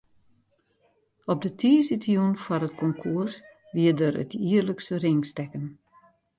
Op de tiisdeitejûn foar it konkoers wie der it jierlikse ringstekken.